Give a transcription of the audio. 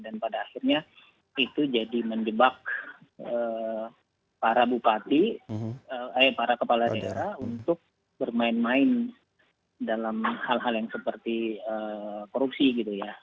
dan pada akhirnya itu jadi menjebak para bukati eh para kepala negara untuk bermain main dalam hal hal yang seperti korupsi gitu ya